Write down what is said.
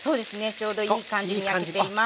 ちょうどいい感じに焼けています。